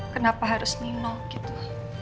kenapa harus nino gitu